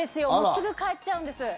すぐ帰っちゃうんです。